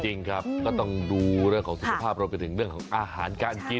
จริงครับก็ต้องดูเรื่องของสุขภาพรวมไปถึงเรื่องของอาหารการกิน